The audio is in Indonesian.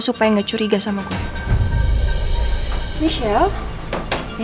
supaya enggak curiga sama gue michelle ya kamu masih inget kan saya itu pernah